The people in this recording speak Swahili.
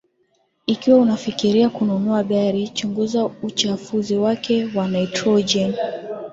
ikiwa unafikiria kununua gari chunguza uchafuzi wake wa nitrojeni